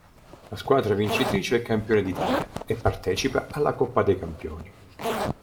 La squadra vincitrice è Campione d'Italia e partecipa alla Coppa dei Campioni.